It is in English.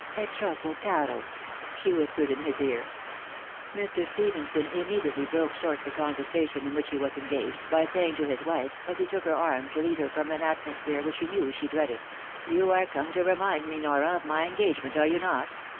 E troppo caro !" she whispered in his ear. Mr. Stephenson immediately broke short the conversation in which he was engaged, by saying to his wife, as he took her arm, to lead her from an atmosphere which he knew she dreaded, "You are come to remind me, Nora, of my engagement — are you not